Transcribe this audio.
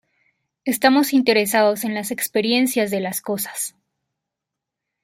Estamos interesados en las experiencias de las cosas.